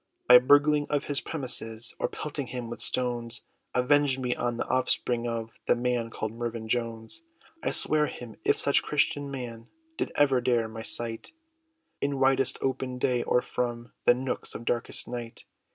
By burgling of his premises, Or pelting him with stones! Avenge me, on the offspring, of The man, called Mervyn Jones!" I sware him, if such christened man, Did ever dare my sight, In widest open day, or from The nooks, of darkest night!